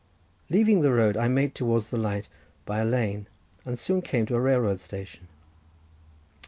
Leaving the road, I made towards the light by a lane, and soon came to a railroad station.